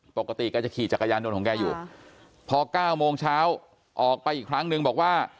ปกติแกจะขี่จักรยานยนต์ของแกอยู่พอ๙โมงเช้าออกไปอีกครั้งนึงบอกว่า